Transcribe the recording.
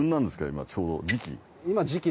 今ちょうど時期？